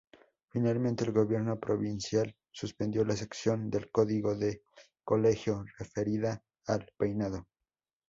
Finalmente el gobierno provincial suspendió la sección del código del colegio referida al peinado.